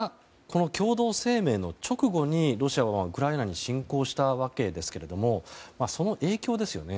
戸崎さん、まさにこういった共同声明の直後に、ロシアはウクライナに侵攻したわけですけどもその影響ですよね。